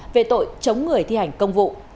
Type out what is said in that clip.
về tội chống người thi hành công vụ